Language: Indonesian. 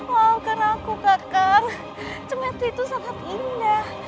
maafkan aku kakang cemeti itu sangat indah